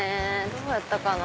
どうやったかな？